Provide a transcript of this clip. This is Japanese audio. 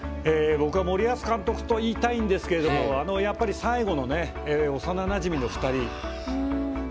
僕は森保監督と言いたいんですけど最後の幼なじみの２人。